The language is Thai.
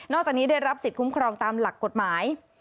จากนี้ได้รับสิทธิคุ้มครองตามหลักกฎหมาย